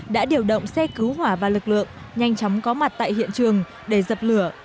đã điều động xe cứu hỏa và lực lượng nhanh chóng có mặt tại hiện trường để dập lửa